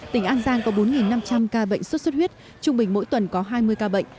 tỉnh an giang có bốn năm trăm linh ca bệnh sốt xuất huyết trung bình mỗi tuần có hai mươi ca bệnh